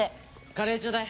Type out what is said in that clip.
カレーちょうだい。